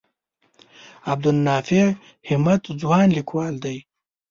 عبدالنافع همت ځوان لیکوال دی.